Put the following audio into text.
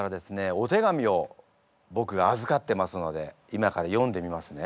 お手紙を僕が預かってますので今から読んでみますね。